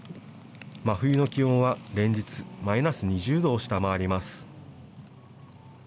真冬の気温は連日マイナス２０度を下回ります。